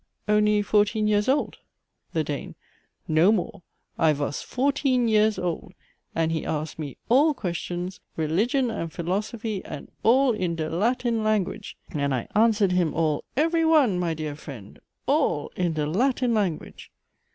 Only fourteen years old? THE DANE. No more. I vas fourteen years old and he asked me all questions, religion and philosophy, and all in dhe Latin language and I answered him all every one, my dear friend! all in dhe Latin language.